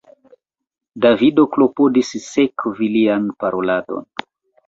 Davido klopodis sekvi lian paroladon.